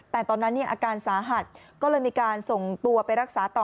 แต่ตอนนั้นอาการสาหัสก็เลยมีการส่งตัวไปรักษาต่อ